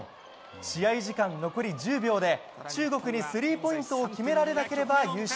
試合時間、残り１０秒で中国にスリーポイントを決められなければ優勝。